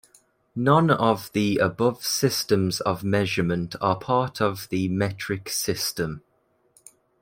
None of the above systems of measurement are part of the metric system.